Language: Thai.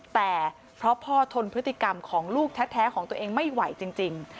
แต่เพราะพ่อทนพฤติกรรมของลูกแท้ของตัวเองไม่ไหวจริง